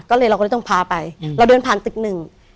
ก็เลยเราก็เลยต้องพาไปเราเดินผ่านตึกหนึ่ง